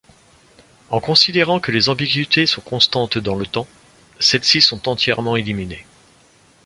En considérant que les ambiguïtés sont constantes dans le temps, celles-ci sont entièrement éliminées.